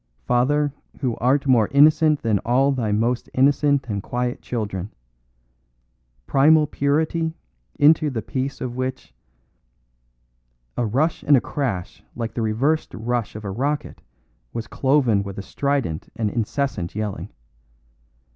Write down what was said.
Father, who art more innocent than all thy most innocent and quiet children; primal purity, into the peace of which " A rush and crash like the reversed rush of a rocket was cloven with a strident and incessant yelling.